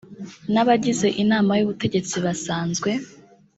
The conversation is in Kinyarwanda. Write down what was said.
n abagize inama y ubutegetsi basanzwe